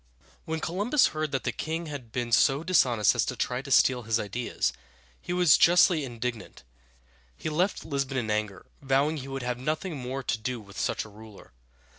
When Columbus heard that the king had been so dishonest as to try to steal his ideas, he was justly indignant. He left Lisbon in anger, vowing he would have nothing more to do with such a ruler.